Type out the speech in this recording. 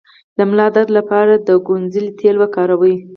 د ملا درد لپاره د کونځلې تېل وکاروئ